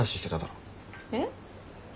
えっ？